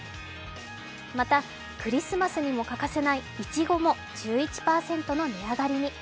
また、クリスマスにも欠かせないいちごも１１％の値上がりに。